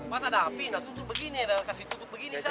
masa ada api nah tutup begini kasih tutup begini saja